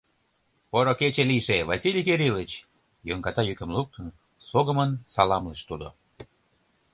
— Поро кече лийже, Василий Кирилыч! — йоҥгата йӱкым луктын, согымын саламлыш тудо.